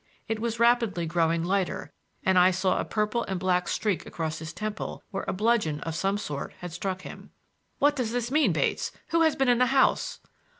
It was rapidly growing lighter, and I saw a purple and black streak across his temple where a bludgeon of some sort had struck him. "What does this mean, Bates? Who has been in the house?"